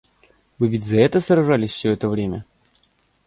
Вы ведь за это сражались все это время?